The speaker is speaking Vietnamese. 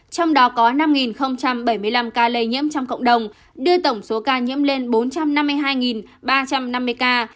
trong đó có năm bảy mươi năm ca lây nhiễm trong cộng đồng đưa tổng số ca nhiễm lên bốn trăm năm mươi hai ba trăm năm mươi ca